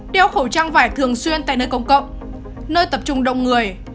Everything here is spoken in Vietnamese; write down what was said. đeo khẩu trang vải thường xuyên tại nơi công cộng nơi tập trung đông người